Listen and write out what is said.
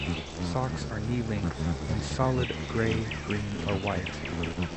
Socks are knee length in solid gray, green or white.